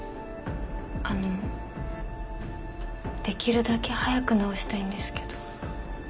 あのできるだけ早く治したいんですけど。